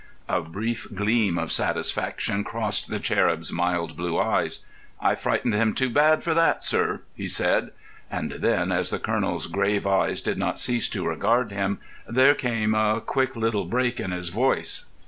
A brief gleam of satisfaction crossed the cherub's mild blue eyes. "I frightened him too bad for that, sir," he said; and then, as the colonel's grave eyes did not cease to regard him, there came a quick little break in his voice.